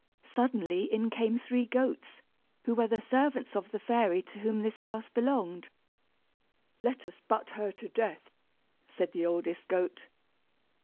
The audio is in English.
Suddenly in came three goats, who were the servants of the fairy to whom this house belonged. "Let us butt her to death," said the oldest goat.